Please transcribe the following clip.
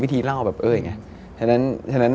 เหมือนแบบจับจดได้